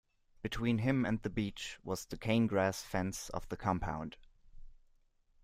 Between him and the beach was the cane-grass fence of the compound.